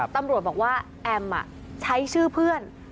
ตำรวจบอกว่าแอมใช้ชื่อเพื่อน